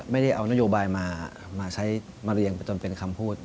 ไม่ได้เอานโยบายมาใช้มาเรียงไปจนเป็นคำพูด